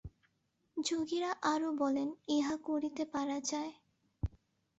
যোগীরা আরও বলেন, ইহা করিতে পারা যায়।